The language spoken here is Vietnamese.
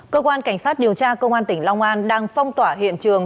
cơ quan cảnh sát điều tra công an tỉnh long an đang phong tỏa hiện trường